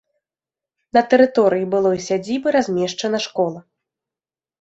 На тэрыторыі былой сядзібы размешчана школа.